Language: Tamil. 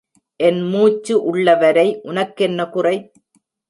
என் மூச்சு உள்ளவரை உனக்கென்ன குறை?